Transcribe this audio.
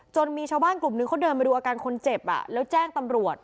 มีชาวบ้านกลุ่มนึงเขาเดินมาดูอาการคนเจ็บแล้วแจ้งตำรวจ